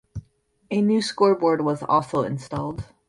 A new scoreboard was also installed.